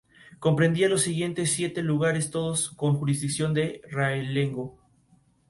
La biología actual rechaza la versión literal de la teoría de Haeckel.